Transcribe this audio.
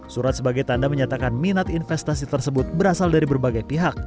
surat sebagai tanda menyatakan minat investasi tersebut berasal dari berbagai pihak